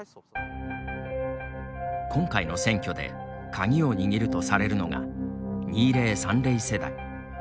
今回の選挙で鍵を握るとされるのが２０３０世代。